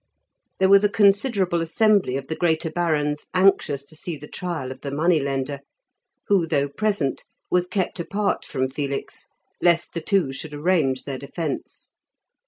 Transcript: There was a considerable assembly of the greater barons anxious to see the trial of the money lender, who, though present, was kept apart from Felix lest the two should arrange their defence.